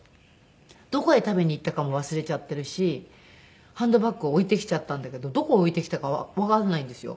どこへ食べに行ったかも忘れちゃっているしハンドバッグを置いてきちゃったんだけどどこへ置いてきたかわかんないんですよ。